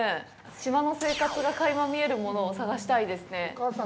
島の生活がかいま見えるものを探したいですね。